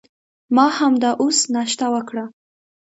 ما همدا اوس ناشته وکړه.